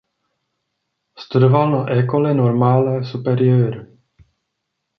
Studoval na École normale supérieure.